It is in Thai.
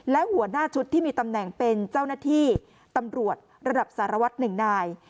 และหัวหน้าชุดที่มีตำแหน่งเป็นเจ้าหน้าที่ตำรวจระดับสารวัตรหนึ่งนาย